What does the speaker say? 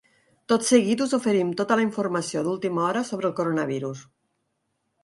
Tot seguit us oferim tota la informació d’última hora sobre el coronavirus.